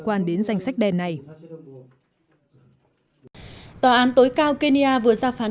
quan đến danh sách đen này tòa án tối cao kenya vừa ra phán